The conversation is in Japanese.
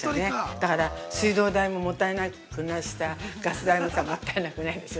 だから、水道代ももったいなくないしさガス代ももったいなくないですよ。